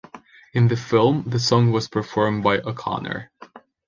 In the film the song was performed by O'Connor.